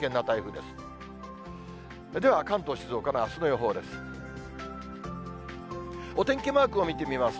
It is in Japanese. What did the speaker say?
では、関東、静岡のあすの予報です。